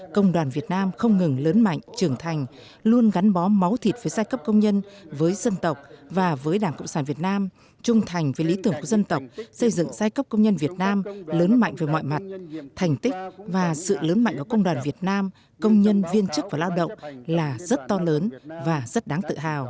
công đoàn việt nam không ngừng lớn mạnh trưởng thành luôn gắn bó máu thịt với giai cấp công nhân với dân tộc và với đảng cộng sản việt nam trung thành với lý tưởng của dân tộc xây dựng giai cấp công nhân việt nam lớn mạnh về mọi mặt thành tích và sự lớn mạnh của công đoàn việt nam công nhân viên chức và lao động